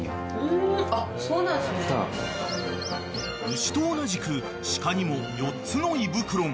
［牛と同じく鹿にも４つの胃袋が］